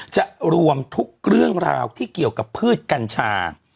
จะรวมทุกเรื่องราวที่เกี่ยวกับพืชกัญชา